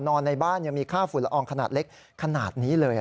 ในบ้านยังมีค่าฝุ่นละอองขนาดเล็กขนาดนี้เลย